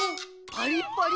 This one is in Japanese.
パリッパリ。